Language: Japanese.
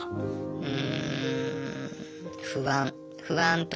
うん。